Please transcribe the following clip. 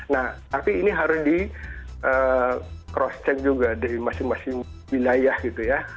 nah tapi ini harus di cross check juga dari masing masing wilayah gitu ya